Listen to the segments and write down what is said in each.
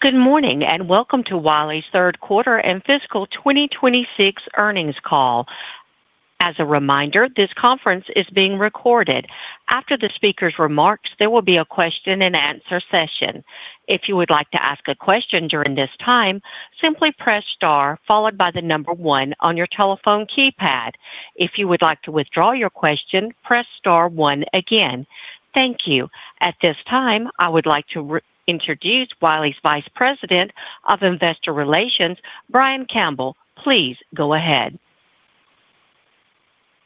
Good morning, welcome to Wiley's Third Quarter and Fiscal 2026 Earnings Call. As a reminder, this conference is being recorded. After the speaker's remarks, there will be a question and answer session. If you would like to ask a question during this time, simply press star followed by the number one on your telephone keypad. If you would like to withdraw your question, press star one again. Thank you. At this time, I would like to introduce Wiley's Vice President of Investor Relations, Brian Campbell. Please go ahead.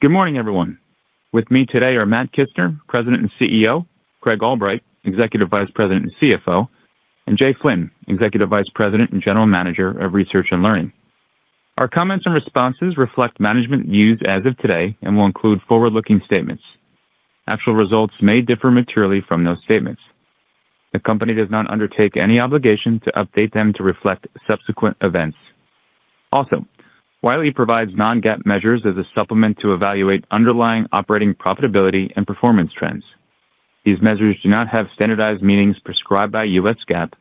Good morning, everyone. With me today are Matt Kissner, President and CEO, Craig Albright, Executive Vice President and CFO, and Jay Flynn, Executive Vice President and General Manager, Research & Learning. Our comments and responses reflect management views as of today and will include forward-looking statements. Actual results may differ materially from those statements. The company does not undertake any obligation to update them to reflect subsequent events. Also, Wiley provides non-GAAP measures as a supplement to evaluate underlying operating profitability and performance trends. These measures do not have standardized meanings prescribed by U.S. GAAP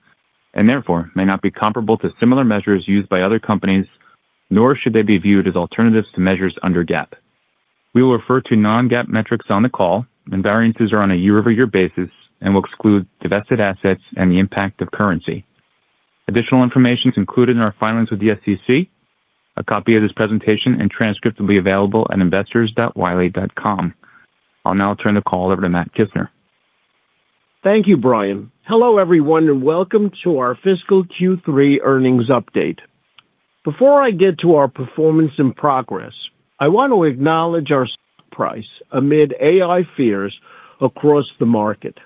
and therefore may not be comparable to similar measures used by other companies, nor should they be viewed as alternatives to measures under GAAP. We will refer to non-GAAP metrics on the call, and variances are on a year-over-year basis and will exclude divested assets and the impact of currency. Additional information is included in our filings with the SEC. A copy of this presentation and transcript will be available at investors.wiley.com. I'll now turn the call over to Matt Kissner. Thank you, Brian. Hello, everyone, and welcome to our fiscal Q3 earnings update. Before I get to our performance and progress, I want to acknowledge our price amid AI fears across the market.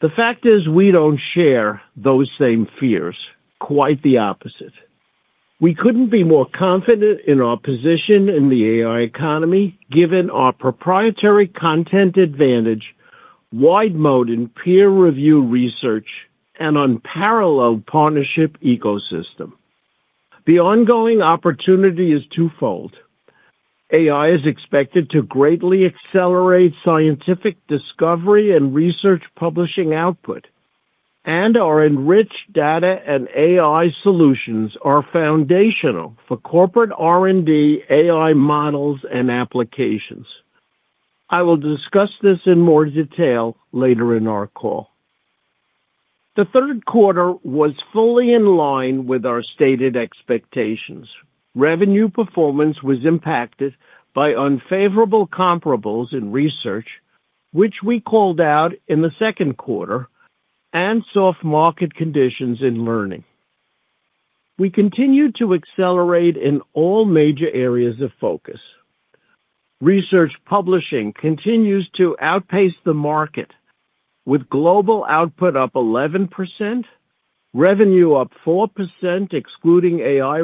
The fact is we don't share those same fears. Quite the opposite. We couldn't be more confident in our position in the AI economy, given our proprietary content advantage, wide moat in peer-review research, and unparalleled partnership ecosystem. The ongoing opportunity is twofold. AI is expected to greatly accelerate scientific discovery and research publishing output, and our enriched data and AI solutions are foundational for corporate R&D, AI models, and applications. I will discuss this in more detail later in our call. The third quarter was fully in line with our stated expectations. Revenue performance was impacted by unfavorable comparables in research, which we called out in the second quarter, and soft market conditions in learning. We continued to accelerate in all major areas of focus. Research publishing continues to outpace the market, with global output up 11%, revenue up 4% excluding AI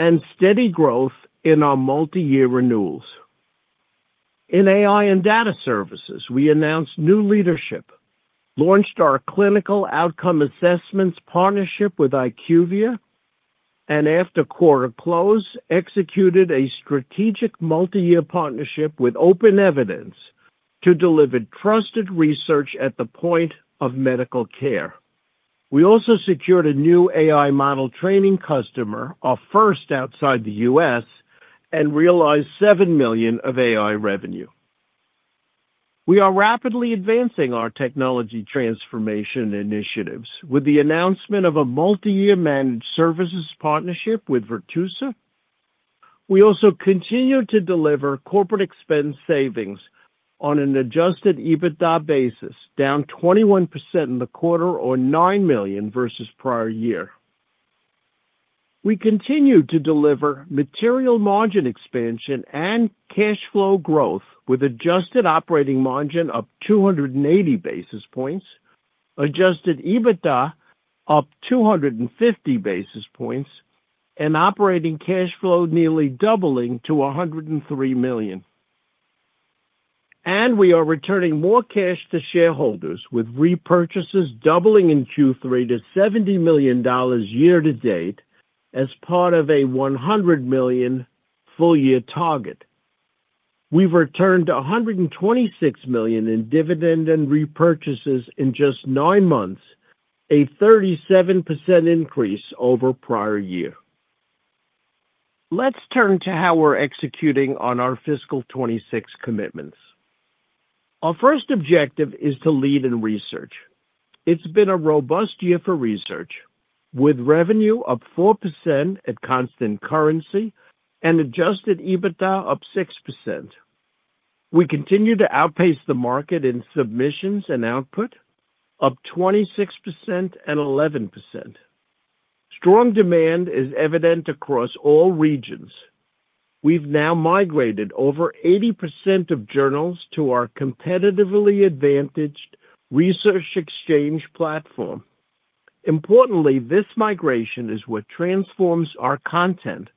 revenue, and steady growth in our multi-year renewals. In AI and data services, we announced new leadership, launched our Clinical Outcome Assessments partnership with IQVIA, and after quarter close, executed a strategic multi-year partnership with OpenEvidence to deliver trusted research at the point of medical care. We also secured a new AI model training customer, our first outside the U.S., and realized $7 million of AI revenue. We are rapidly advancing our technology transformation initiatives with the announcement of a multi-year managed services partnership with Virtusa. We also continue to deliver corporate expense savings on an Adjusted EBITDA basis, down 21% in the quarter or $9 million versus prior year. We continue to deliver material margin expansion and cash flow growth with Adjusted Operating Margin up 280 basis points, Adjusted EBITDA up 250 basis points, and operating cash flow nearly doubling to $103 million. We are returning more cash to shareholders, with repurchases doubling in Q3 to $70 million year to date as part of a $100 million full-year target. We've returned $126 million in dividend and repurchases in just nine months, a 37% increase over prior year. Let's turn to how we're executing on our fiscal '26 commitments. Our first objective is to lead in research. It's been a robust year for research, with revenue up 4% at constant currency and Adjusted EBITDA up 6%. We continue to outpace the market in submissions and output, up 26% and 11%. Strong demand is evident across all regions. We've now migrated over 80% of journals to our competitively advantaged Research Exchange platform. Importantly, this migration is what transforms our content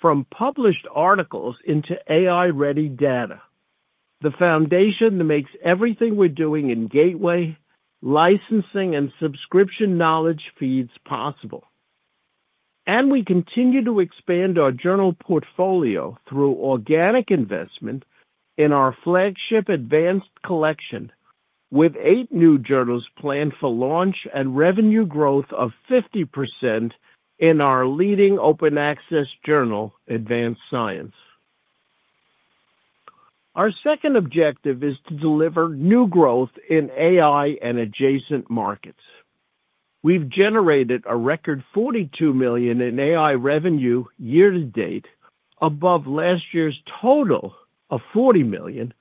from published articles into AI-ready data, the foundation that makes everything we're doing in gateway, licensing, and subscription knowledge feeds possible. We continue to expand our journal portfolio through organic investment in our flagship Advanced Portfolio with eight new journals planned for launch and revenue growth of 50% in our leading open access journal, Advanced Science. Our second objective is to deliver new growth in AI and adjacent markets. We've generated a record $42 million in AI revenue year to date above last year's total of $40 million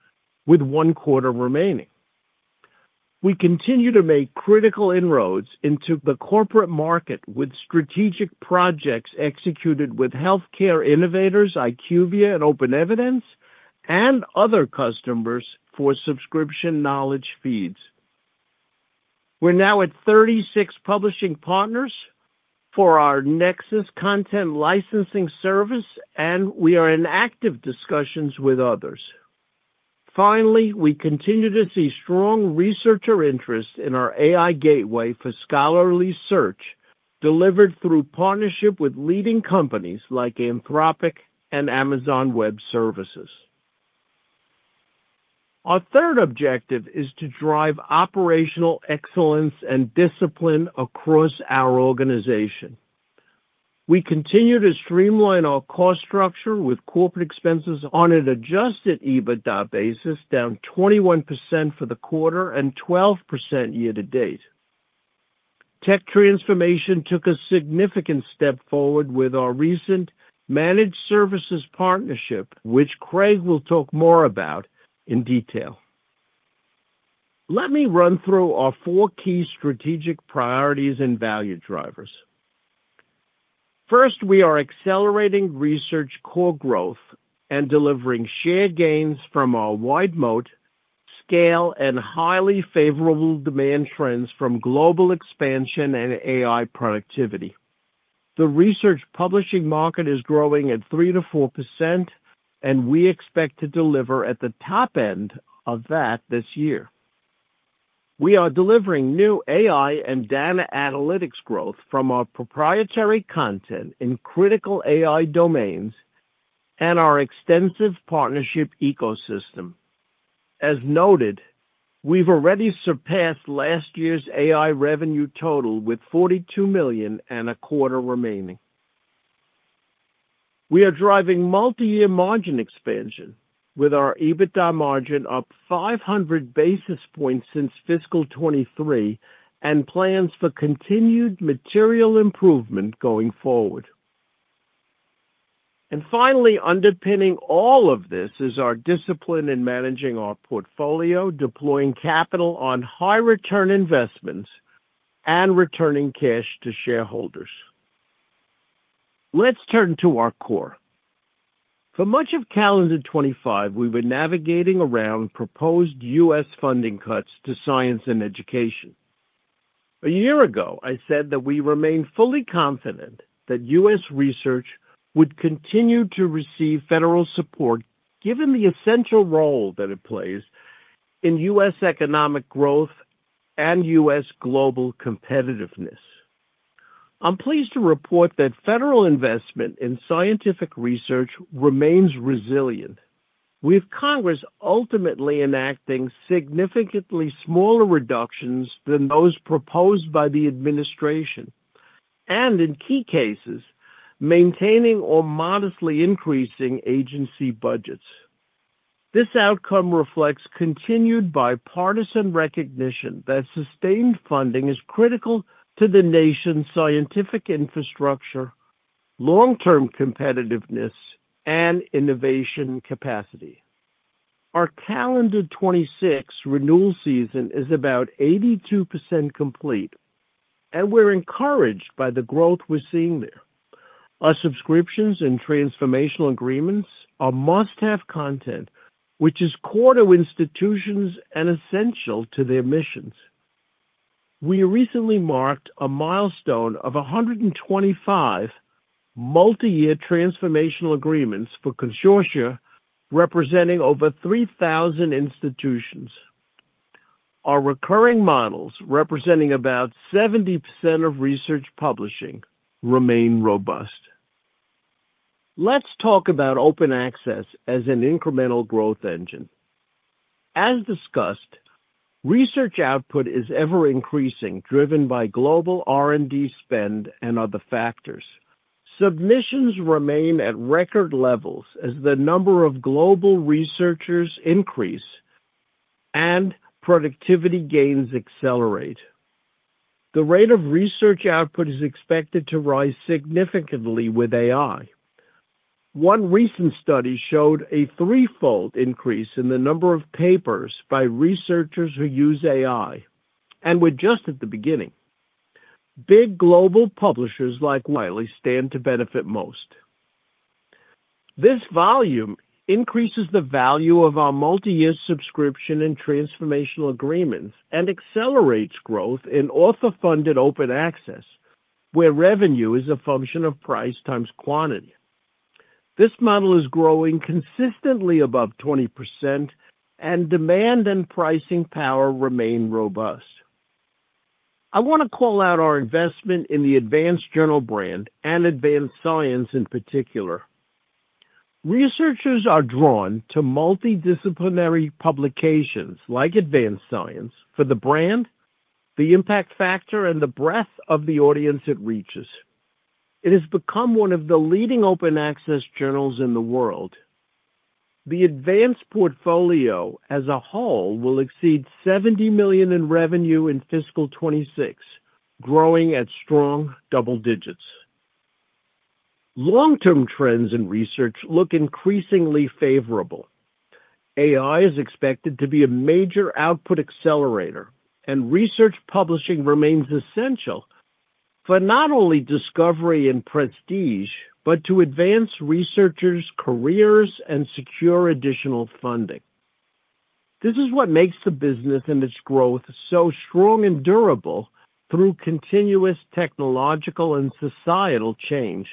with one quarter remaining. We continue to make critical inroads into the corporate market with strategic projects executed with healthcare innovators IQVIA and OpenEvidence and other customers for subscription knowledge feeds. We're now at 36 publishing partners for our Nexus content licensing service, and we are in active discussions with others. Finally, we continue to see strong researcher interest in our AI Gateway for scholarly search delivered through partnership with leading companies like Anthropic and Amazon Web Services. Our third objective is to drive operational excellence and discipline across our organization. We continue to streamline our cost structure with corporate expenses on an Adjusted EBITDA basis down 21% for the quarter and 12% year-to-date. Tech transformation took a significant step forward with our recent managed services partnership, which Craig will talk more about in detail. Let me run through our four key strategic priorities and value drivers. First, we are accelerating research core growth and delivering shared gains from our wide moat scale and highly favorable demand trends from global expansion and AI productivity. The research publishing market is growing at 3%-4%. We expect to deliver at the top end of that this year. We are delivering new AI and data analytics growth from our proprietary content in critical AI domains and our extensive partnership ecosystem. As noted, we've already surpassed last year's AI revenue total with $42 million and a quarter remaining. We are driving multi-year margin expansion with our EBITDA margin up 500 basis points since fiscal 2023 and plans for continued material improvement going forward. Finally, underpinning all of this is our discipline in managing our portfolio, deploying capital on high return investments, and returning cash to shareholders. Let's turn to our core. For much of calendar 2025, we've been navigating around proposed U.S. funding cuts to science and education. A year ago, I said that we remain fully confident that U.S. research would continue to receive federal support given the essential role that it plays in U.S. economic growth and U.S. global competitiveness. I'm pleased to report that federal investment in scientific research remains resilient, with Congress ultimately enacting significantly smaller reductions than those proposed by the administration and in key cases, maintaining or modestly increasing agency budgets. This outcome reflects continued bipartisan recognition that sustained funding is critical to the nation's scientific infrastructure, long-term competitiveness, and innovation capacity. Our calendar 2026 renewal season is about 82% complete, and we're encouraged by the growth we're seeing there. Our subscriptions and Transformational Agreements are must-have content, which is core to institutions and essential to their missions. We recently marked a milestone of 125 multi-year Transformational Agreements for consortia representing over 3,000 institutions. Our recurring models, representing about 70% of research publishing, remain robust. Let's talk about Open Access as an incremental growth engine. As discussed, research output is ever-increasing, driven by global R&D spend and other factors. Submissions remain at record levels as the number of global researchers increase and productivity gains accelerate. The rate of research output is expected to rise significantly with AI. One recent study showed a threefold increase in the number of papers by researchers who use AI, and we're just at the beginning. Big global publishers like Wiley stand to benefit most. This volume increases the value of our multi-year subscription and Transformational Agreements and accelerates growth in author-funded Open Access, where revenue is a function of price times quantity. This model is growing consistently above 20% and demand and pricing power remain robust. I want to call out our investment in the Advanced Journal brand and Advanced Science in particular. Researchers are drawn to multidisciplinary publications like Advanced Science for the brand, the impact factor, and the breadth of the audience it reaches. It has become one of the leading Open Access journals in the world. The Advanced Portfolio as a whole will exceed $70 million in revenue in fiscal 2026, growing at strong double digits. Long-term trends in research look increasingly favorable. AI is expected to be a major output accelerator, and research publishing remains essential for not only discovery and prestige, but to advance researchers' careers and secure additional funding. This is what makes the business and its growth so strong and durable through continuous technological and societal change.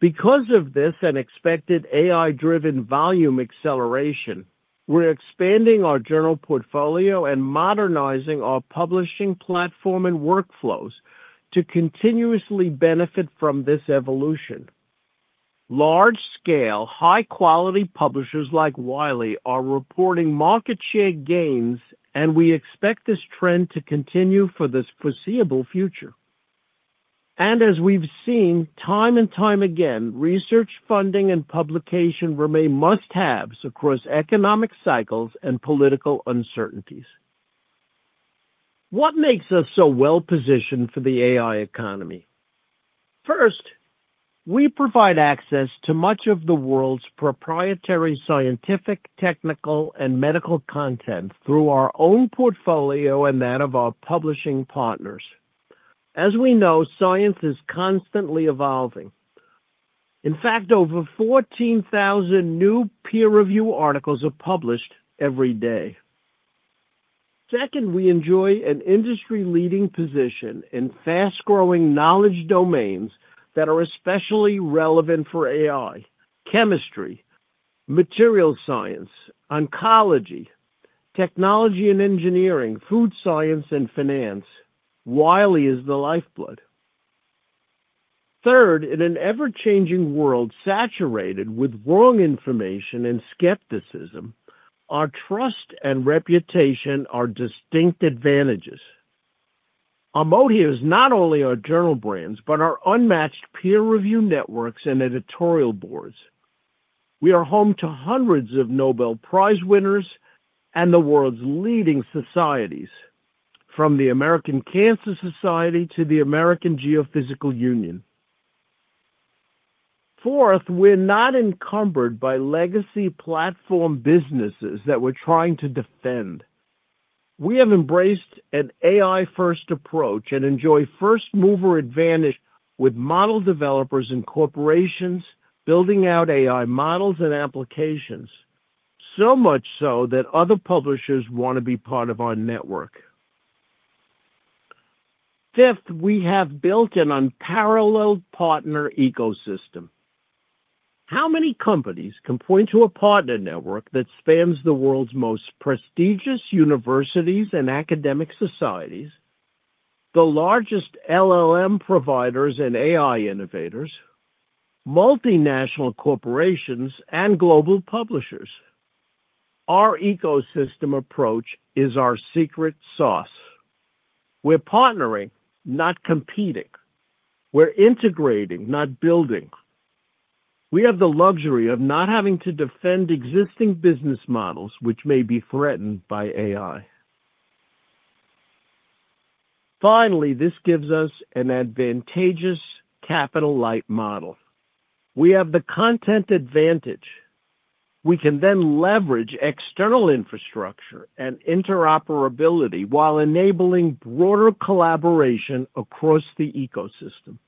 Because of this and expected AI-driven volume acceleration, we're expanding our journal portfolio and modernizing our publishing platform and workflows to continuously benefit from this evolution. Large-scale, high-quality publishers like Wiley are reporting market share gains, and we expect this trend to continue for the foreseeable future. As we've seen time and time again, research funding and publication remain must-haves across economic cycles and political uncertainties. What makes us so well-positioned for the AI economy? First, we provide access to much of the world's proprietary scientific, technical, and medical content through our own portfolio and that of our publishing partners. As we know, science is constantly evolving. In fact, over 14,000 new peer-review articles are published every day. Second, we enjoy an industry-leading position in fast-growing knowledge domains that are especially relevant for AI: chemistry, materials science, oncology, technology and engineering, food science, and finance. Wiley is the lifeblood. Third, in an ever-changing world saturated with wrong information and skepticism, our trust and reputation are distinct advantages. Our moat is not only our journal brands, but our unmatched peer-review networks and editorial boards. We are home to hundreds of Nobel Prize winners and the world's leading societies, from the American Cancer Society to the American Geophysical Union. We're not encumbered by legacy platform businesses that we're trying to defend. We have embraced an AI-first approach and enjoy first-mover advantage with model developers and corporations building out AI models and applications, so much so that other publishers want to be part of our network. We have built an unparalleled partner ecosystem. How many companies can point to a partner network that spans the world's most prestigious universities and academic societies, the largest LLM providers and AI innovators, multinational corporations, and global publishers? Our ecosystem approach is our secret sauce. We're partnering, not competing. We're integrating, not building. We have the luxury of not having to defend existing business models which may be threatened by AI. Finally, this gives us an advantageous capital-light model. We have the content advantage. We can leverage external infrastructure and interoperability while enabling broader collaboration across the ecosystem.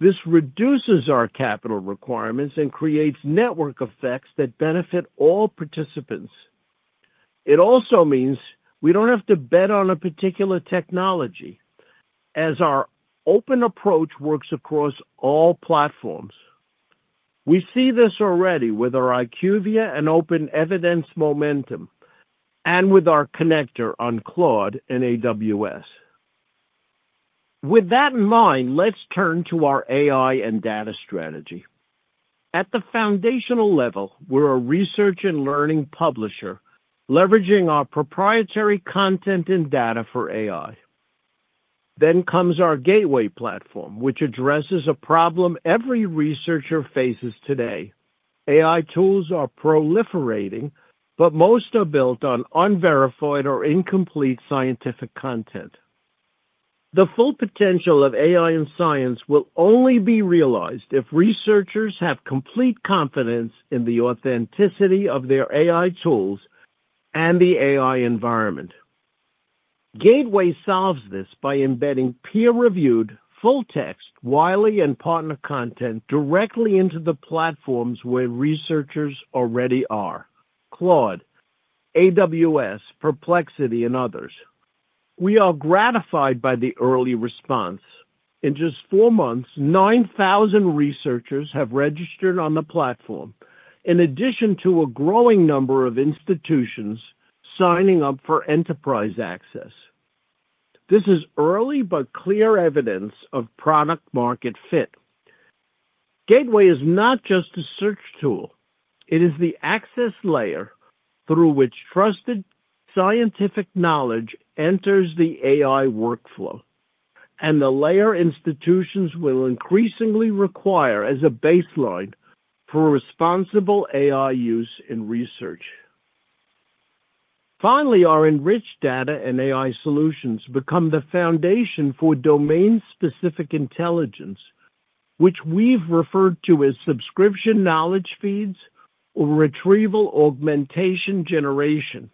This reduces our capital requirements and creates network effects that benefit all participants. It also means we don't have to bet on a particular technology, as our open approach works across all platforms. We see this already with our IQVIA and OpenEvidence momentum and with our connector on Claude and AWS. With that in mind, let's turn to our AI and data strategy. At the foundational level, we're a research and learning publisher leveraging our proprietary content and data for AI. Comes our Gateway platform, which addresses a problem every researcher faces today. AI tools are proliferating, but most are built on unverified or incomplete scientific content. The full potential of AI in science will only be realized if researchers have complete confidence in the authenticity of their AI tools and the AI environment. Gateway solves this by embedding peer-reviewed, full-text Wiley and partner content directly into the platforms where researchers already are, Claude, AWS, Perplexity, and others. We are gratified by the early response. In just four months, 9,000 researchers have registered on the platform, in addition to a growing number of institutions signing up for enterprise access. This is early but clear evidence of product-market fit. Gateway is not just a search tool. It is the access layer through which trusted scientific knowledge enters the AI workflow and the layer institutions will increasingly require as a baseline for responsible AI use in research. Finally, our enriched data and AI solutions become the foundation for domain-specific intelligence, which we've referred to as subscription knowledge feeds or Retrieval-Augmented Generation.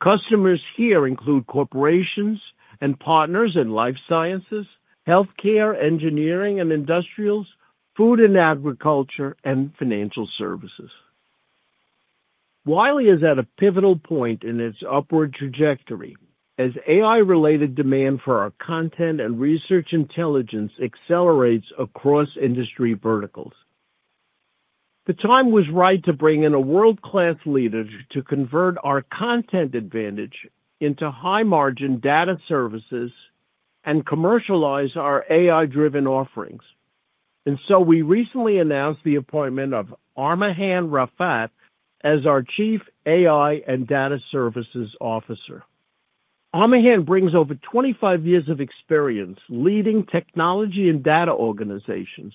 Customers here include corporations and partners in life sciences, healthcare, engineering and industrials, food and agriculture, and financial services. Wiley is at a pivotal point in its upward trajectory as AI-related demand for our content and research intelligence accelerates across industry verticals. The time was right to bring in a world-class leader to convert our content advantage into high-margin data services and commercialize our AI-driven offerings. We recently announced the appointment of Armughan Rafat as our Chief AI and Data Services Officer. Armughan brings over 25 years of experience leading technology and data organizations,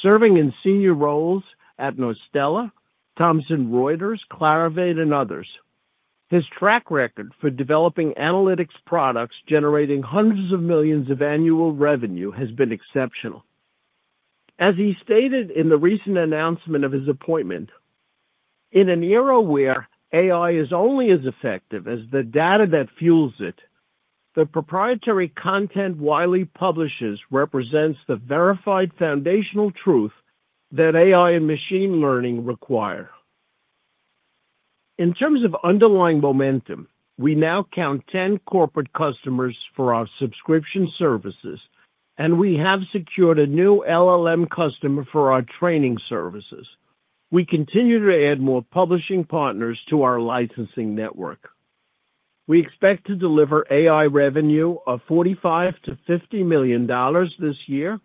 serving in senior roles at Astellas, Thomson Reuters, Clarivate, and others. His track record for developing analytics products generating hundreds of millions of annual revenue has been exceptional. As he stated in the recent announcement of his appointment, "In an era where AI is only as effective as the data that fuels it, the proprietary content Wiley publishes represents the verified foundational truth that AI and machine learning require." In terms of underlying momentum, we now count 10 corporate customers for our subscription services, and we have secured a new LLM customer for our training services. We continue to add more publishing partners to our licensing network. We expect to deliver AI revenue of $45 million-$50 million this year,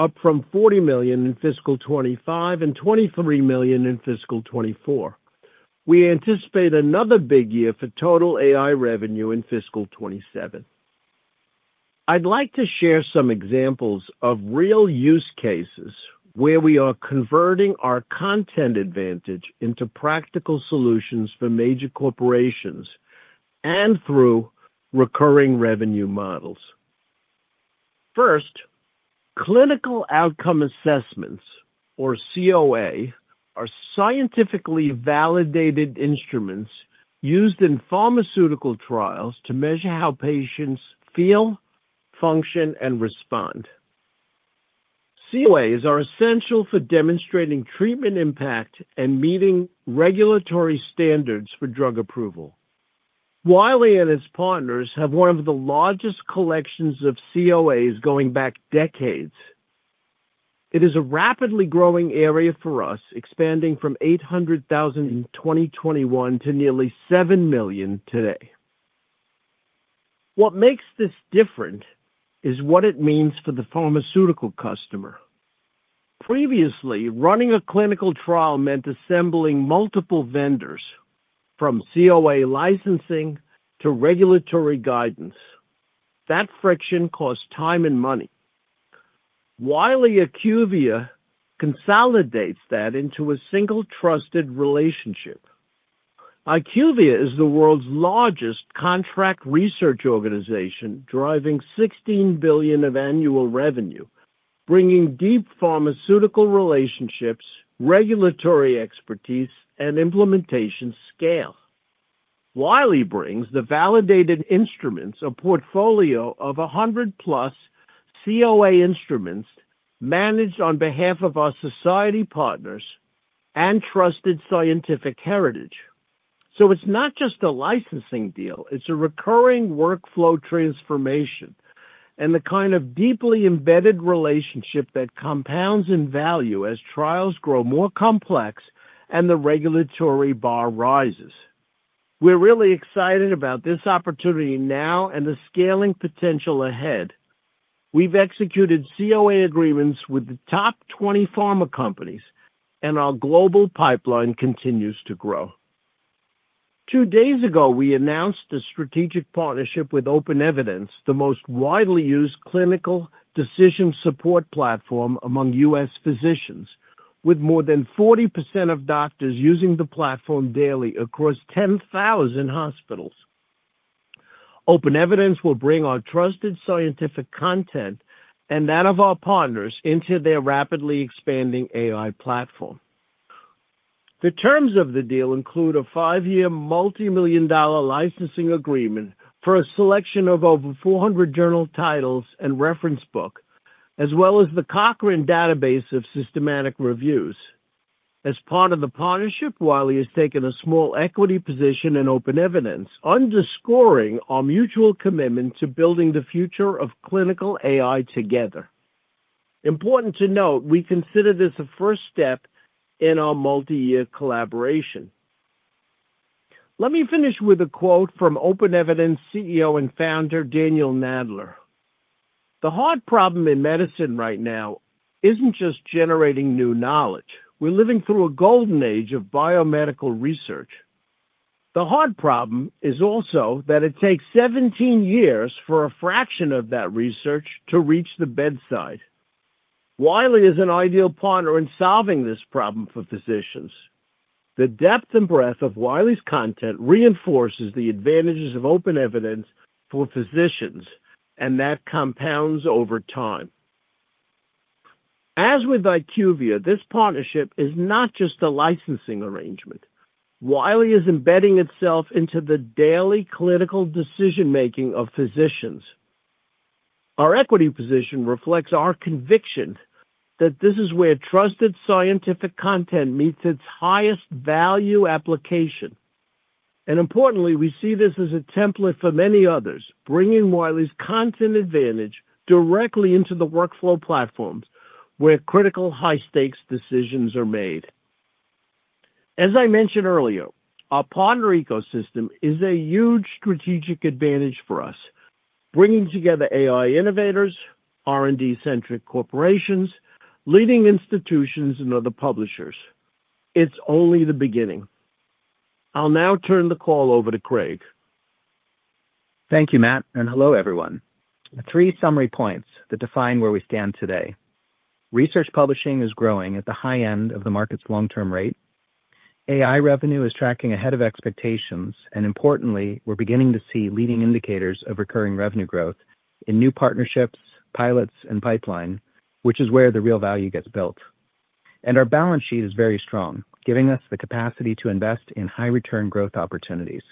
up from $40 million in fiscal 2025 and $23 million in fiscal 2024. We anticipate another big year for total AI revenue in fiscal 2027. I'd like to share some examples of real use cases where we are converting our content advantage into practical solutions for major corporations and through recurring revenue models. First, Clinical Outcome Assessments, or COA, are scientifically validated instruments used in pharmaceutical trials to measure how patients feel, function, and respond. COAs are essential for demonstrating treatment impact and meeting regulatory standards for drug approval. Wiley and its partners have one of the largest collections of COAs going back decades. It is a rapidly growing area for us, expanding from $800,000 in 2021 to nearly $7 million today. What makes this different is what it means for the pharmaceutical customer. Previously, running a clinical trial meant assembling multiple vendors from COA licensing to regulatory guidance. That friction cost time and money. Wiley IQVIA consolidates that into a single trusted relationship. IQVIA is the world's largest contract research organization, driving $16 billion of annual revenue, bringing deep pharmaceutical relationships, regulatory expertise, and implementation scale. Wiley brings the validated instruments, a portfolio of 100+ COA instruments managed on behalf of our society partners and trusted scientific heritage. It's not just a licensing deal, it's a recurring workflow transformation and the kind of deeply embedded relationship that compounds in value as trials grow more complex and the regulatory bar rises. We're really excited about this opportunity now and the scaling potential ahead. We've executed COA agreements with the top 20 pharma companies, and our global pipeline continues to grow. Two days ago, we announced a strategic partnership with OpenEvidence, the most widely used clinical decision support platform among U.S. physicians, with more than 40% of doctors using the platform daily across 10,000 hospitals. OpenEvidence will bring our trusted scientific content and that of our partners into their rapidly expanding AI platform. The terms of the deal include a 5-year multimillion-dollar licensing agreement for a selection of over 400 journal titles and reference books, as well as the Cochrane Database of Systematic Reviews. Part of the partnership, Wiley has taken a small equity position in OpenEvidence, underscoring our mutual commitment to building the future of clinical AI together. Important to note, we consider this a first step in our multi-year collaboration. Let me finish with a quote from OpenEvidence CEO and founder Daniel Nadler. The hard problem in medicine right now isn't just generating new knowledge. We're living through a golden age of biomedical research. The hard problem is also that it takes 17 years for a fraction of that research to reach the bedside. Wiley is an ideal partner in solving this problem for physicians. The depth and breadth of Wiley's content reinforces the advantages of OpenEvidence for physicians, and that compounds over time. As with IQVIA, this partnership is not just a licensing arrangement. Wiley is embedding itself into the daily clinical decision-making of physicians. Our equity position reflects our conviction that this is where trusted scientific content meets its highest value application. Importantly, we see this as a template for many others, bringing Wiley's content advantage directly into the workflow platforms where critical high-stakes decisions are made. As I mentioned earlier, our partner ecosystem is a huge strategic advantage for us, bringing together AI innovators, R&D-centric corporations, leading institutions, and other publishers. It's only the beginning. I'll now turn the call over to Craig. Thank you, Matt. Hello, everyone. Three summary points that define where we stand today. Research publishing is growing at the high end of the market's long-term rate. AI revenue is tracking ahead of expectations. Importantly, we're beginning to see leading indicators of recurring revenue growth in new partnerships, pilots, and pipeline, which is where the real value gets built. Our balance sheet is very strong, giving us the capacity to invest in high-return growth opportunities.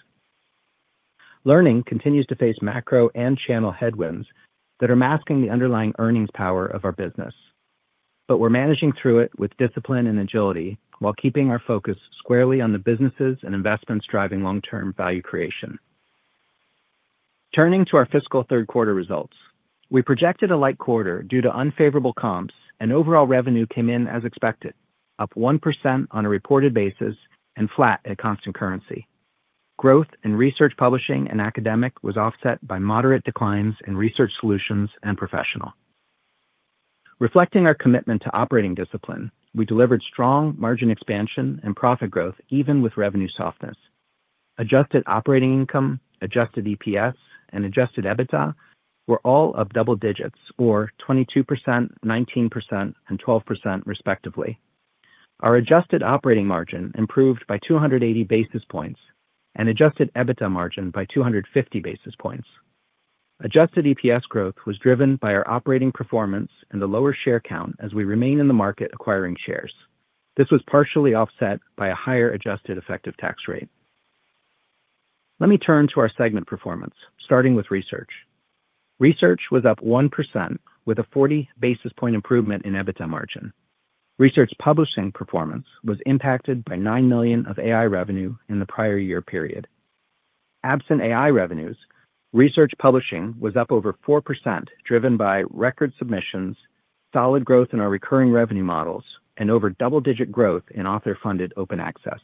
Learning continues to face macro and channel headwinds that are masking the underlying earnings power of our business. We're managing through it with discipline and agility while keeping our focus squarely on the businesses and investments driving long-term value creation. Turning to our fiscal third quarter results, we projected a light quarter due to unfavorable comps and overall revenue came in as expected, up 1% on a reported basis and flat at constant currency. Growth in research publishing and academic was offset by moderate declines in research solutions and professional. Reflecting our commitment to operating discipline, we delivered strong margin expansion and profit growth even with revenue softness. Adjusted Operating Income, Adjusted EPS, and Adjusted EBITDA were all up double digits or 22%, 19%, and 12% respectively. Our Adjusted Operating Margin improved by 280 basis points and Adjusted EBITDA margin by 250 basis points. Adjusted EPS growth was driven by our operating performance and the lower share count as we remain in the market acquiring shares. This was partially offset by a higher adjusted effective tax rate. Let me turn to our segment performance, starting with research. Research was up 1% with a 40 basis point improvement in EBITDA margin. Research publishing performance was impacted by $9 million of AI revenue in the prior year period. Absent AI revenues, research publishing was up over 4%, driven by record submissions, solid growth in our recurring revenue models, and over double-digit growth in author-funded Open Access.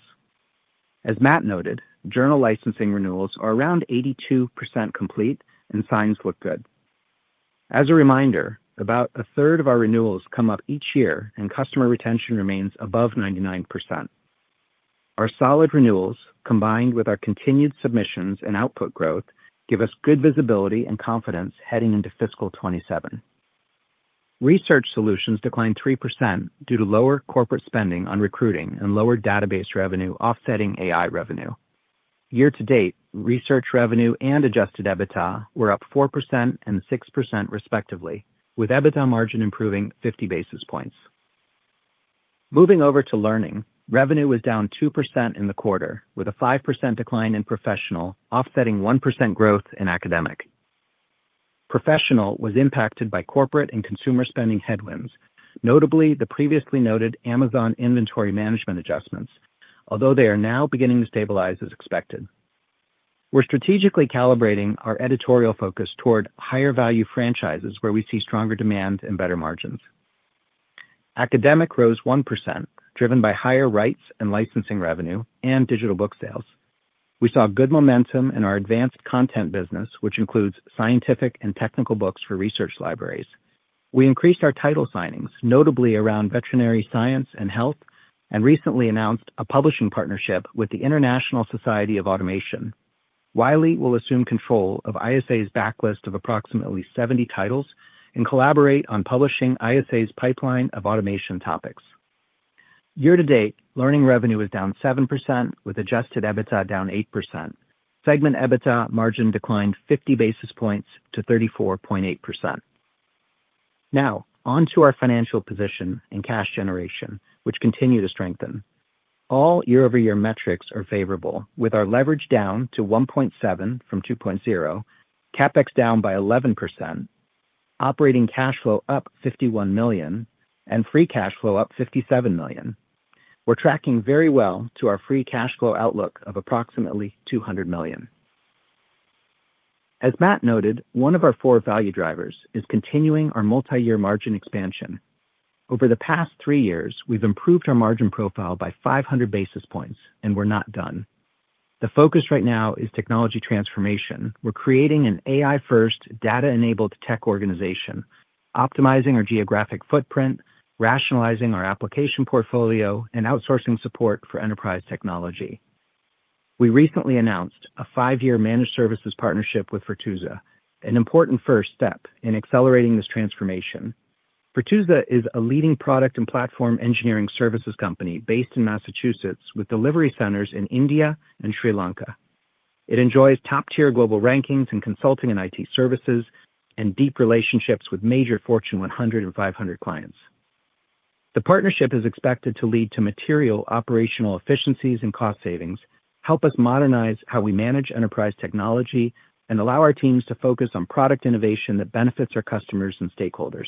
As Matt noted, journal licensing renewals are around 82% complete and signs look good. As a reminder, about a third of our renewals come up each year and customer retention remains above 99%. Our solid renewals, combined with our continued submissions and output growth, give us good visibility and confidence heading into fiscal 2027. Research solutions declined 3% due to lower corporate spending on recruiting and lower database revenue offsetting AI revenue. Year-to-date, research revenue and Adjusted EBITDA were up 4% and 6% respectively, with EBITDA margin improving 50 basis points. Moving over to learning, revenue was down 2% in the quarter, with a 5% decline in professional offsetting 1% growth in academic. Professional was impacted by corporate and consumer spending headwinds, notably the previously noted Amazon inventory management adjustments, although they are now beginning to stabilize as expected. We're strategically calibrating our editorial focus toward higher-value franchises where we see stronger demand and better margins. Academic rose 1%, driven by higher rights and licensing revenue and digital book sales. We saw good momentum in our advanced content business, which includes scientific and technical books for research libraries. We increased our title signings, notably around veterinary science and health, and recently announced a publishing partnership with the International Society of Automation. Wiley will assume control of ISA's backlist of approximately 70 titles and collaborate on publishing ISA's pipeline of automation topics. Year-to-date, learning revenue is down 7%, with Adjusted EBITDA down 8%. Segment EBITDA margin declined 50 basis points to 34.8%. On to our financial position and cash generation, which continue to strengthen. All year-over-year metrics are favorable, with our leverage down to 1.7 from 2.0, CapEx down by 11%, Operating cash flow up $51 million and free cash flow up $57 million. We're tracking very well to our free cash flow outlook of approximately $200 million. As Matt noted, one of our four value drivers is continuing our multi-year margin expansion. Over the past three years, we've improved our margin profile by 500 basis points. We're not done. The focus right now is technology transformation. We're creating an AI-first, data-enabled tech organization, optimizing our geographic footprint, rationalizing our application portfolio, and outsourcing support for enterprise technology. We recently announced a five-year managed services partnership with Virtusa, an important first step in accelerating this transformation. Virtusa is a leading product and platform engineering services company based in Massachusetts with delivery centers in India and Sri Lanka. It enjoys top-tier global rankings in consulting and IT services and deep relationships with major Fortune 100 and 500 clients. The partnership is expected to lead to material operational efficiencies and cost savings, help us modernize how we manage enterprise technology, and allow our teams to focus on product innovation that benefits our customers and stakeholders.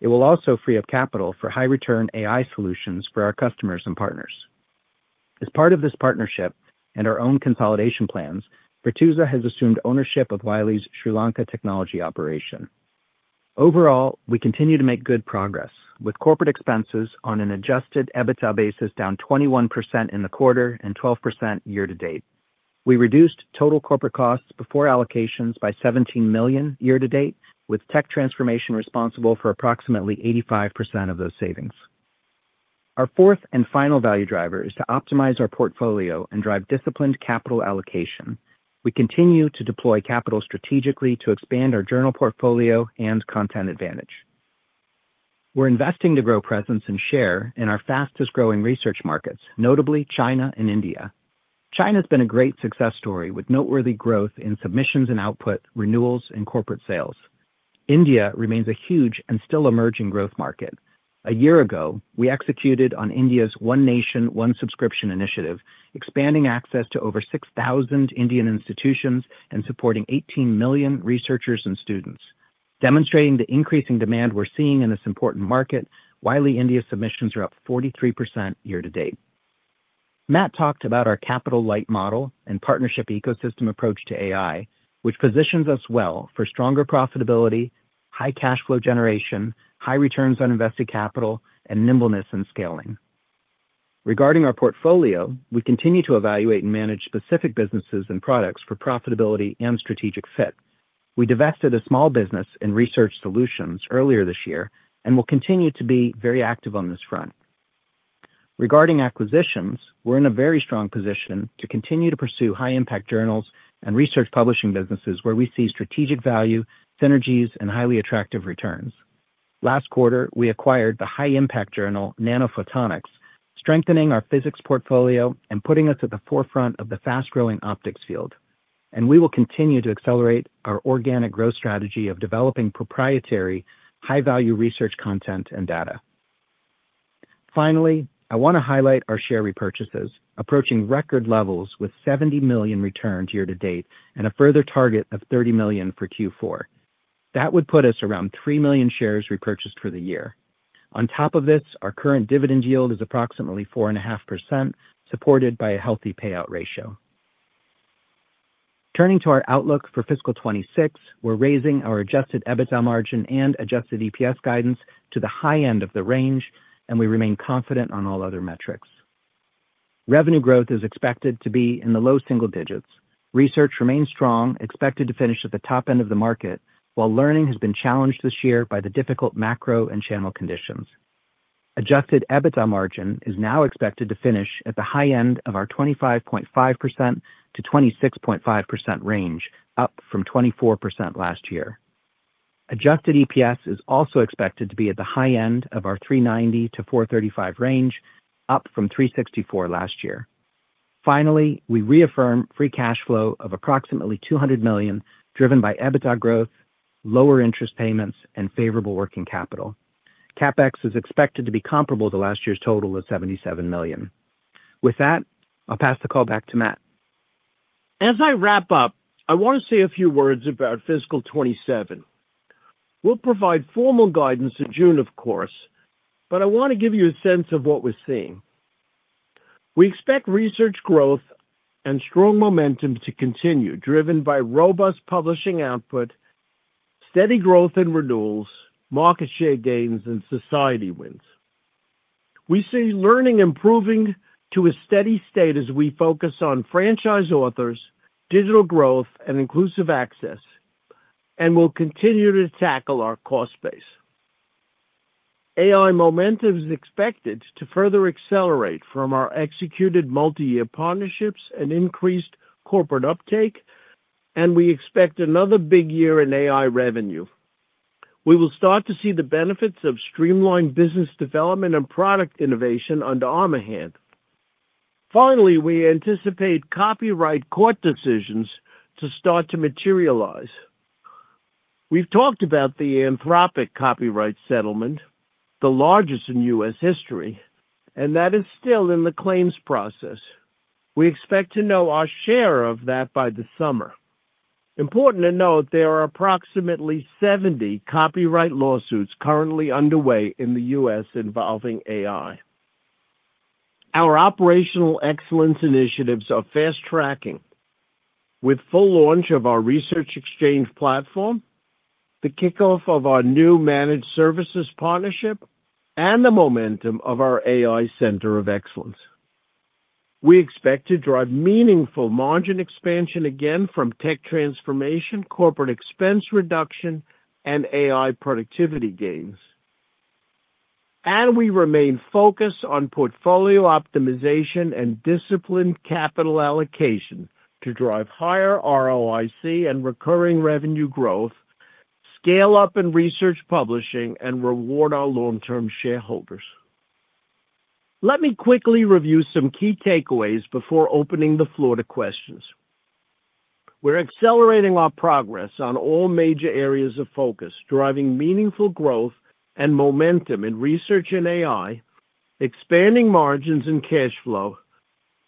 It will also free up capital for high-return AI solutions for our customers and partners. As part of this partnership and our own consolidation plans, Virtusa has assumed ownership of Wiley's Sri Lanka technology operation. Overall, we continue to make good progress with corporate expenses on an Adjusted EBITDA basis down 21% in the quarter and 12% year-to-date. We reduced total corporate costs before allocations by $17 million year-to-date, with tech transformation responsible for approximately 85% of those savings. Our fourth and final value driver is to optimize our portfolio and drive disciplined capital allocation. We continue to deploy capital strategically to expand our journal portfolio and content advantage. We're investing to grow presence and share in our fastest-growing research markets, notably China and India. China's been a great success story with noteworthy growth in submissions and output, renewals, and corporate sales. India remains a huge and still emerging growth market. A year ago, we executed on India's One Nation, One Subscription initiative, expanding access to over 6,000 Indian institutions and supporting 18 million researchers and students. Demonstrating the increasing demand we're seeing in this important market, Wiley India submissions are up 43% year-to-date. Matt talked about our capital-light model and partnership ecosystem approach to AI, which positions us well for stronger profitability, high cash flow generation, high returns on invested capital, and nimbleness in scaling. Regarding our portfolio, we continue to evaluate and manage specific businesses and products for profitability and strategic fit. We divested a small business in research solutions earlier this year and will continue to be very active on this front. Regarding acquisitions, we're in a very strong position to continue to pursue high-impact journals and research publishing businesses where we see strategic value, synergies, and highly attractive returns. Last quarter, we acquired the high-impact journal Nanophotonics, strengthening our physics portfolio and putting us at the forefront of the fast-growing optics field. We will continue to accelerate our organic growth strategy of developing proprietary high-value research content and data. Finally, I want to highlight our share repurchases, approaching record levels with $70 million returned year-to-date and a further target of $30 million for Q4. That would put us around 3 million shares repurchased for the year. On top of this, our current dividend yield is approximately 4.5%, supported by a healthy payout ratio. Turning to our outlook for fiscal 26, we're raising our Adjusted EBITDA margin and Adjusted EPS guidance to the high end of the range, and we remain confident on all other metrics. Revenue growth is expected to be in the low single digits. Research remains strong, expected to finish at the top end of the market, while learning has been challenged this year by the difficult macro and channel conditions. Adjusted EBITDA margin is now expected to finish at the high end of our 25.5% - 26.5% range, up from 24% last year. Adjusted EPS is also expected to be at the high end of our $3.90 - $4.35 range, up from $3.64 last year. Finally, we reaffirm free cash flow of approximately $200 million, driven by EBITDA growth, lower interest payments, and favorable working capital. CapEx is expected to be comparable to last year's total of $77 million. With that, I'll pass the call back to Matt. As I wrap up, I want to say a few words about fiscal 2027. We'll provide formal guidance in June, of course. I want to give you a sense of what we're seeing. We expect research growth and strong momentum to continue, driven by robust publishing output, steady growth in renewals, market share gains, and society wins. We see learning improving to a steady state as we focus on franchise authors, digital growth, and Inclusive Access. We'll continue to tackle our cost base. AI momentum is expected to further accelerate from our executed multi-year partnerships and increased corporate uptake. We expect another big year in AI revenue. We will start to see the benefits of streamlined business development and product innovation under Armughan. Finally, we anticipate copyright court decisions to start to materialize. We've talked about the Anthropic copyright settlement, the largest in U.S. history, and that is still in the claims process. We expect to know our share of that by the summer. Important to note, there are approximately 70 copyright lawsuits currently underway in the U.S. involving AI. Our operational excellence initiatives are fast-tracking with full launch of our Research Exchange platform, the kickoff of our new managed services partnership, and the momentum of our AI Center of Excellence. We expect to drive meaningful margin expansion again from tech transformation, corporate expense reduction, and AI productivity gains. We remain focused on portfolio optimization and disciplined capital allocation to drive higher ROIC and recurring revenue growth, scale up in research publishing, and reward our long-term shareholders. Let me quickly review some key takeaways before opening the floor to questions. We're accelerating our progress on all major areas of focus, driving meaningful growth and momentum in research and AI, expanding margins and cash flow,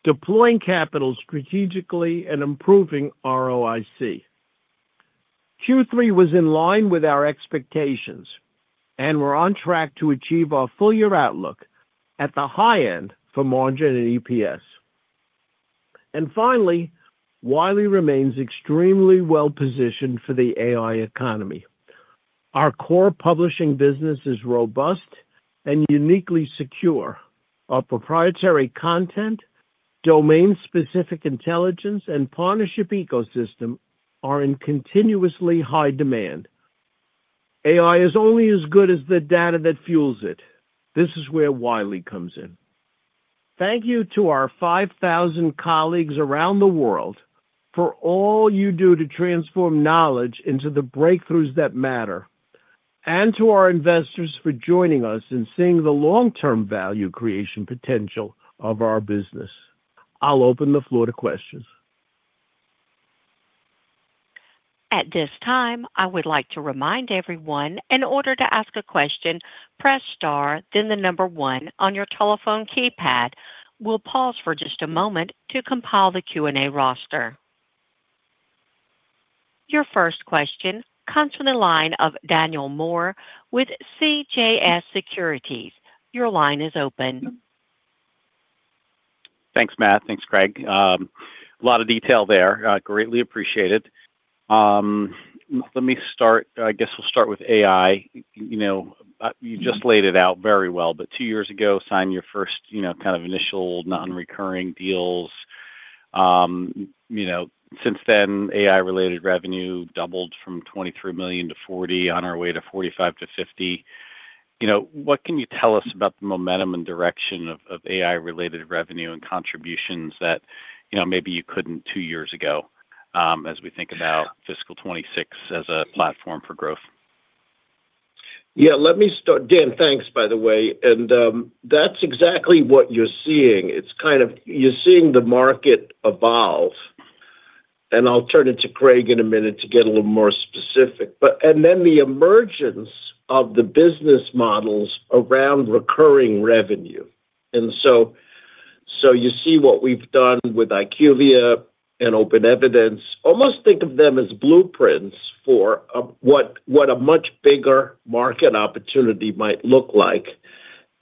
deploying capital strategically, and improving ROIC. Q3 was in line with our expectations, and we're on track to achieve our full-year outlook at the high end for margin and EPS. Finally, Wiley remains extremely well-positioned for the AI economy. Our core publishing business is robust and uniquely secure. Our proprietary content, domain-specific intelligence, and partnership ecosystem are in continuously high demand. AI is only as good as the data that fuels it. This is where Wiley comes in. Thank you to our 5,000 colleagues around the world for all you do to transform knowledge into the breakthroughs that matter, and to our investors for joining us in seeing the long-term value creation potential of our business. I'll open the floor to questions. At this time, I would like to remind everyone, in order to ask a question, press star then 1 on your telephone keypad. We'll pause for just a moment to compile the Q&A roster. Your first question comes from the line of Daniel Moore with CJS Securities. Your line is open. Thanks, Matt. Thanks, Craig. A lot of detail there. Greatly appreciate it. I guess we'll start with AI. You know, you just laid it out very well, but two years ago, signed your first, you know, kind of initial non-recurring deals. You know, since then, AI-related revenue doubled from $23 million to $40 million on our way to $45 million-$50 million. You know, what can you tell us about the momentum and direction of AI-related revenue and contributions that, you know, maybe you couldn't two years ago, as we think about fiscal 2026 as a platform for growth? Yeah, let me start. Dan, thanks, by the way. That's exactly what you're seeing. It's kind of you're seeing the market evolve, and I'll turn it to Craig in a minute to get a little more specific. The emergence of the business models around recurring revenue. You see what we've done with IQVIA and OpenEvidence, almost think of them as blueprints for what a much bigger market opportunity might look like.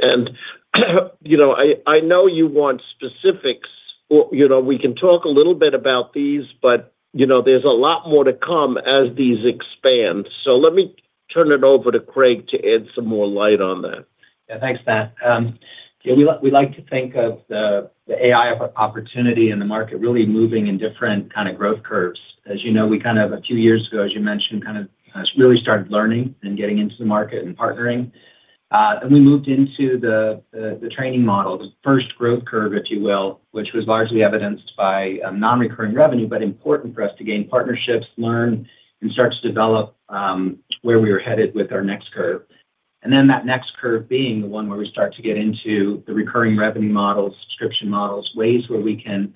You know, I know you want specifics or, you know, we can talk a little bit about these, but, you know, there's a lot more to come as these expand. Let me turn it over to Craig to add some more light on that. Thanks, Matt. We like to think of the AI opportunity in the market really moving in different kind of growth curves. As you know, we kind of a few years ago, as you mentioned, kind of, really started learning and getting into the market and partnering. We moved into the training model, the first growth curve, if you will, which was largely evidenced by non-recurring revenue, but important for us to gain partnerships, learn, and start to develop where we were headed with our next curve. That next curve being the one where we start to get into the recurring revenue models, subscription models, ways where we can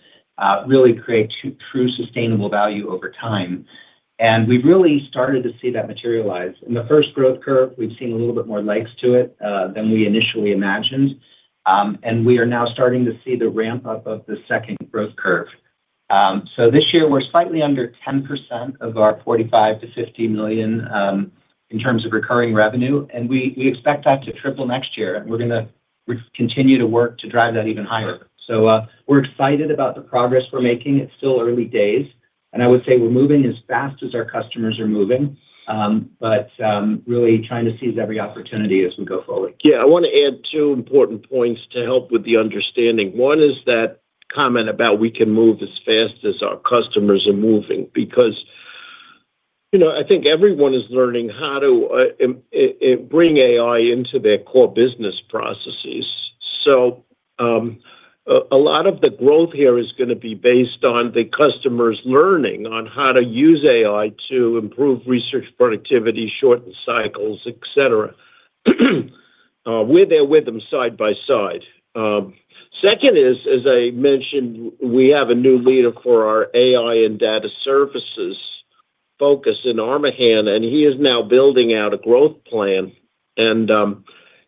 really create true sustainable value over time. We've really started to see that materialize. In the first growth curve, we've seen a little bit more legs to it, than we initially imagined. We are now starting to see the ramp-up of the second growth curve. This year, we're slightly under 10% of our $45 million-$50 million, in terms of recurring revenue, and we expect that to triple next year, and we're gonna continue to work to drive that even higher. We're excited about the progress we're making. It's still early days, and I would say we're moving as fast as our customers are moving, but really trying to seize every opportunity as we go forward. Yeah. I wanna add two important points to help with the understanding. One is that comment about we can move as fast as our customers are moving because, you know, I think everyone is learning how to bring AI into their core business processes. A lot of the growth here is gonna be based on the customers learning on how to use AI to improve research productivity, shorten cycles, etc. We're there with them side by side. Second is, as I mentioned, we have a new leader for our AI and data services. Focus in Armughan. He is now building out a growth plan.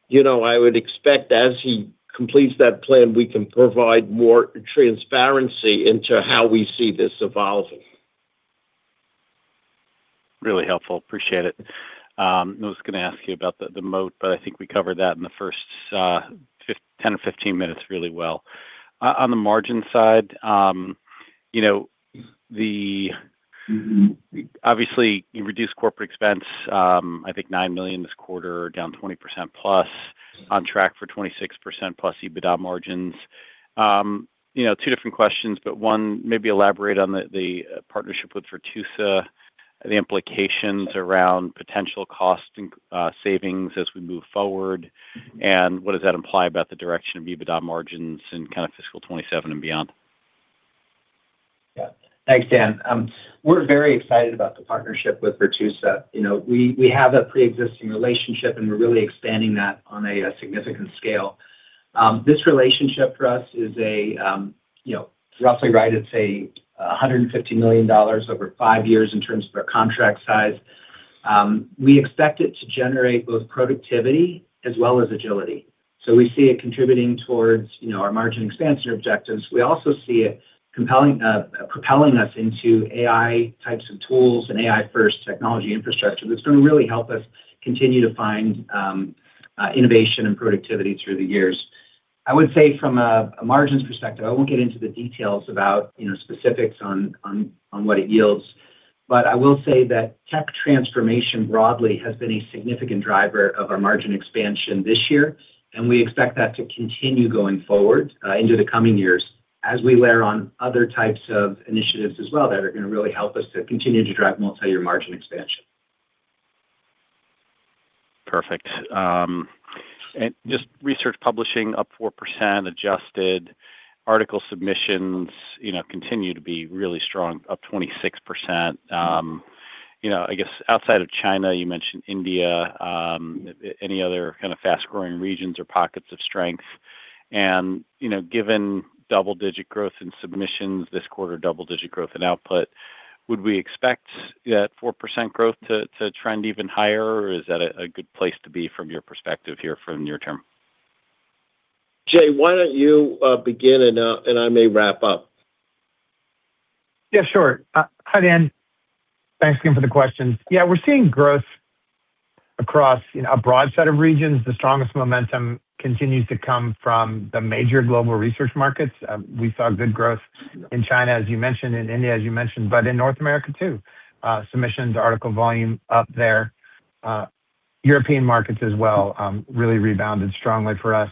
You know, I would expect as he completes that plan, we can provide more transparency into how we see this evolving. Really helpful. Appreciate it. I was going to ask you about the moat, I think we covered that in the first 10 or 15 minutes really well. On the margin side, you know, Mm-hmm. Obviously, you reduced corporate expense, I think $9 million this quarter, down 20%+ on track for 26%+ EBITDA margins. You know, two different questions, but one, maybe elaborate on the partnership with Virtusa, the implications around potential cost and savings as we move forward. What does that imply about the direction of EBITDA margins in kind of fiscal 2027 and beyond? Yeah. Thanks, Dan. We're very excited about the partnership with Virtusa. You know, we have a preexisting relationship, and we're really expanding that on a significant scale. This relationship for us is, you know, roughly right, it's $150 million over five years in terms of our contract size. We expect it to generate both productivity as well as agility. We see it contributing towards, you know, our margin expansion objectives. We also see it propelling us into AI types of tools and AI-first technology infrastructure that's going to really help us continue to find innovation and productivity through the years. I would say from a margins perspective, I won't get into the details about, you know, specifics on what it yields, but I will say that tech transformation broadly has been a significant driver of our margin expansion this year, and we expect that to continue going forward into the coming years as we layer on other types of initiatives as well that are going to really help us to continue to drive multi-year margin expansion. Perfect. Just Research Publishing up 4%, adjusted article submissions, you know, continue to be really strong, up 26%. You know, I guess outside of China, you mentioned India, any other kind of fast-growing regions or pockets of strength? You know, given double-digit growth in submissions this quarter, double-digit growth in output, would we expect that 4% growth to trend even higher, or is that a good place to be from your perspective here from near term? Jay, why don't you begin, and I may wrap up. Yeah, sure. Hi, Dan. Thanks again for the questions. Yeah, we're seeing growth across, you know, a broad set of regions. The strongest momentum continues to come from the major global research markets. We saw good growth in China, as you mentioned, in India, as you mentioned, but in North America too. Submissions, article volume up there. European markets as well, really rebounded strongly for us.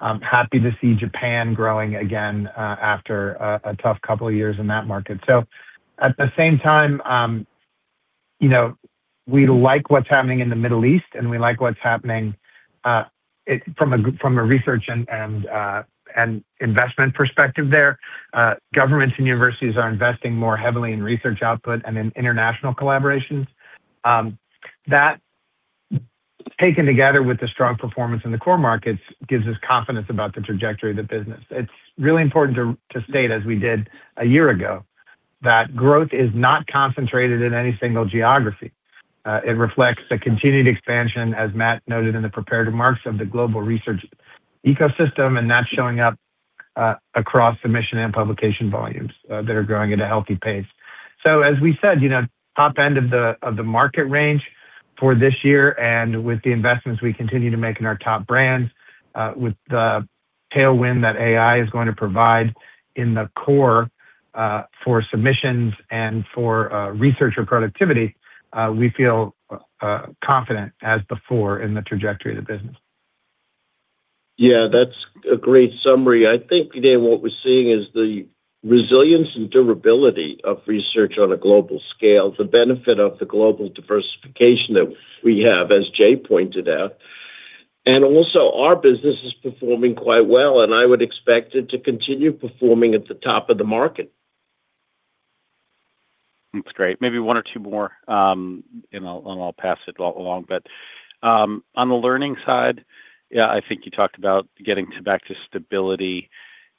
I'm happy to see Japan growing again, after a tough couple of years in that market. At the same time, you know, we like what's happening in the Middle East, and we like what's happening from a research and investment perspective there. Governments and universities are investing more heavily in research output and in international collaborations. That taken together with the strong performance in the core markets gives us confidence about the trajectory of the business. It's really important to state, as we did a year ago, that growth is not concentrated in any single geography. It reflects the continued expansion, as Matt noted in the prepared remarks, of the global research ecosystem, and that's showing up across submission and publication volumes that are growing at a healthy pace. As we said, you know, top end of the market range for this year, and with the investments we continue to make in our top brands, with the tailwind that AI is going to provide in the core, for submissions and for researcher productivity, we feel confident as before in the trajectory of the business. Yeah. That's a great summary. I think today what we're seeing is the resilience and durability of research on a global scale, the benefit of the global diversification that we have, as Jay pointed out. Also, our business is performing quite well, and I would expect it to continue performing at the top of the market. That's great. Maybe one or two more, and I'll pass it along. On the learning side, yeah, I think you talked about getting to back to stability.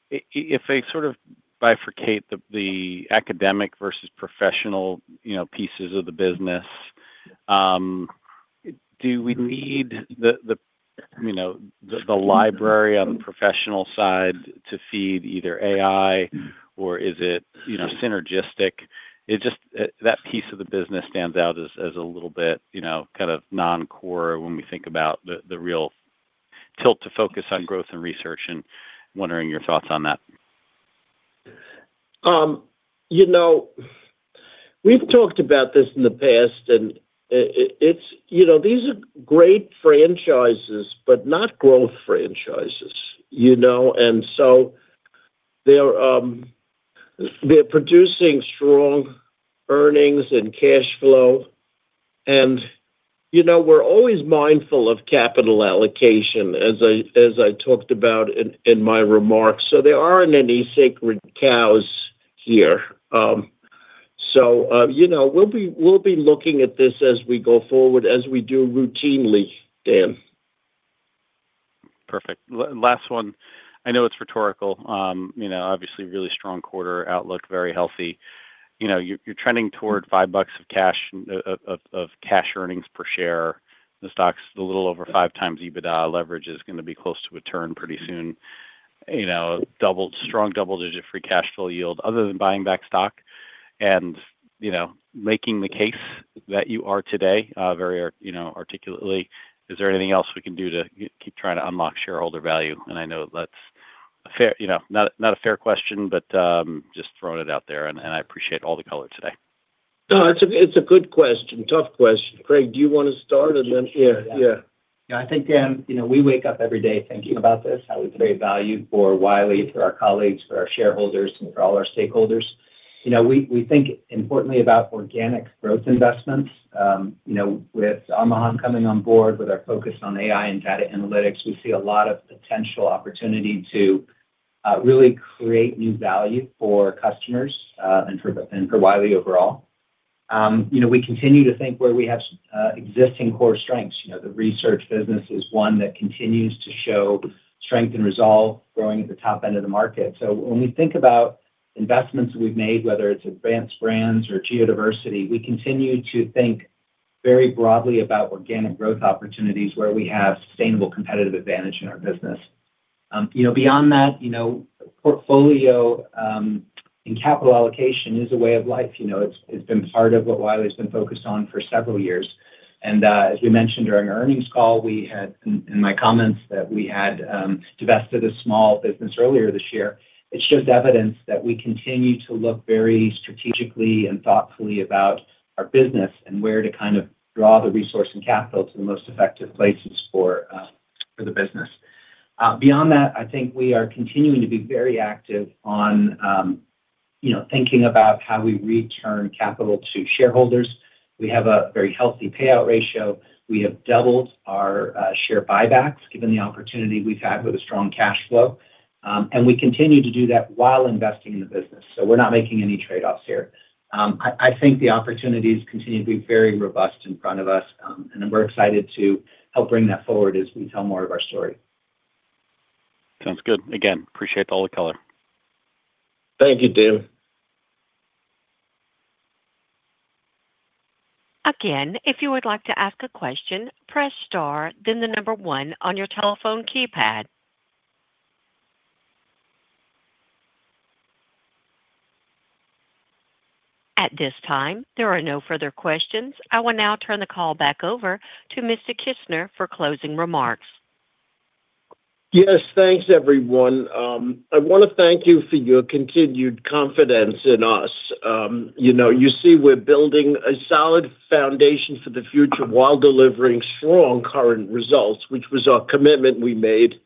If they sort of bifurcate the academic versus professional, you know, pieces of the business, do we need the, you know, the library on the professional side to feed either AI, or is it, you know, synergistic? That piece of the business stands out as a little bit, you know, kind of non-core when we think about the real tilt to focus on growth and research, and wondering your thoughts on that. You know, we've talked about this in the past, and it's, you know, these are great franchises, but not growth franchises, you know. They're producing strong earnings and cash flow, and, you know, we're always mindful of capital allocation, as I, as I talked about in my remarks. There aren't any sacred cows here. You know, we'll be looking at this as we go forward, as we do routinely, Dan. Perfect. Last one. I know it's rhetorical. You know, obviously really strong quarter outlook, very healthy. You know, you're trending toward $5 of cash earnings per share. The stock's a little over 5x EBITDA. Leverage is gonna be close to a turn pretty soon. You know, strong double-digit free cash flow yield. Other than buying back stock and, you know, making the case that you are today, very, you know, articulately, is there anything else we can do to keep trying to unlock shareholder value? I know that's a fair... You know, not a fair question, but just throwing it out there, and I appreciate all the color today. No, it's a, it's a good question. Tough question. Craig, do you wanna start and then... Yeah. Yeah. Yeah, I think, Dan, you know, we wake up every day thinking about this, how we create value for Wiley, for our colleagues, for our shareholders, and for all our stakeholders. You know, we think importantly about organic growth investments. You know, with Armughan coming on board with our focus on AI and data analytics, we see a lot of potential opportunity to really create new value for customers and for Wiley overall. You know, we continue to think where we have existing core strengths. You know, the research business is one that continues to show strength and resolve growing at the top end of the market. When we think about investments we've made, whether it's advantaged brands or geodiversity, we continue to think very broadly about organic growth opportunities where we have sustainable competitive advantage in our business. You know, beyond that, you know, portfolio and capital allocation is a way of life. You know, it's been part of what Wiley's been focused on for several years. As you mentioned during our earnings call, we had in my comments that we had divested a small business earlier this year. It shows evidence that we continue to look very strategically and thoughtfully about our business and where to kind of draw the resource and capital to the most effective places for the business. Beyond that, I think we are continuing to be very active on, you know, thinking about how we return capital to shareholders. We have a very healthy payout ratio. We have doubled our share buybacks given the opportunity we've had with a strong cash flow. We continue to do that while investing in the business, so we're not making any trade-offs here. I think the opportunities continue to be very robust in front of us, and we're excited to help bring that forward as we tell more of our story. Sounds good. Again, appreciate all the color. Thank you, Dan. Again, if you would like to ask a question, press star then one on your telephone keypad. At this time, there are no further questions. I will now turn the call back over to Mr. Kissner for closing remarks. Yes. Thanks, everyone. I wanna thank you for your continued confidence in us. You know, you see we're building a solid foundation for the future while delivering strong current results, which was our commitment we made,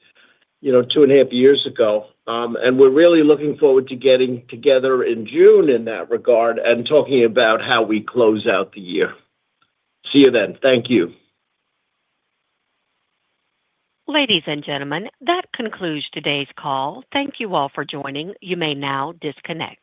you know, two and a half years ago. We're really looking forward to getting together in June in that regard and talking about how we close out the year. See you then. Thank you. Ladies and gentlemen, that concludes today's call. Thank you all for joining. You may now disconnect.